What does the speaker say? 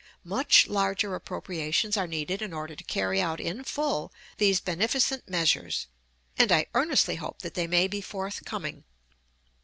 Much larger appropriations are needed in order to carry out in full these beneficent measures, and I earnestly hope that they may be forthcoming.